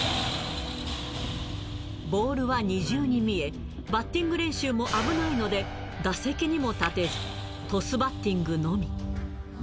ボールは二重に見え、バッティング練習も危ないので、打席にも立てず、トスバッティングのみ。